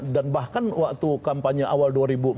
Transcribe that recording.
dan bahkan waktu kampanye awal dua ribu empat belas